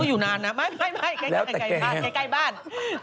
ก็อยู่นานนะไม่ใกล้บ้าน